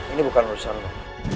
ini bukan urusan lo